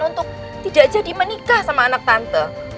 untuk tidak jadi menikah sama anak tante